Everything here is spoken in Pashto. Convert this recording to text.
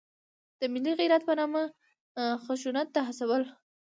د ملي غیرت په نامه خشونت ته هڅول.